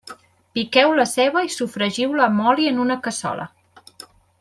Piqueu la ceba i sofregiu-la amb oli en una cassola.